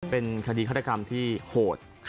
เป็นคดีฆาตกรรมที่โหด